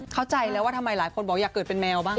เข้าใจแล้วว่าทำไมหลายคนบอกอยากเกิดเป็นแมวบ้าง